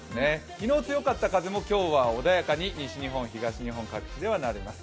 昨日強かった風も今日は穏やかに西日本・東日本各地ではなります。